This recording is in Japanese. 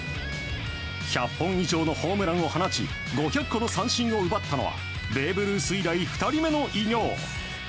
１００本以上のホームランを放ち５００個の三振を奪ったのはベーブ・ルース以来２人目の偉業。